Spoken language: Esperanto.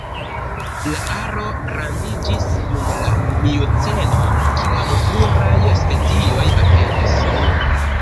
La aro grandiĝis dum la mioceno kiam pluraj specioj aperis.